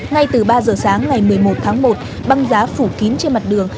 ngay từ ba giờ sáng ngày một mươi một tháng một băng giá phủ kín trên mặt đường